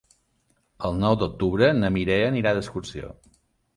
El nou d'octubre na Mireia anirà d'excursió.